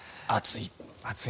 暑い。